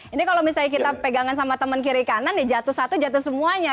ini kalau misalnya kita pegangan sama teman kiri kanan ya jatuh satu jatuh semuanya